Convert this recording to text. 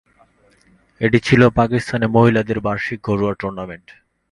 এটি ছিল পাকিস্তানে মহিলাদের বার্ষিক ঘরোয়া টুর্নামেন্ট।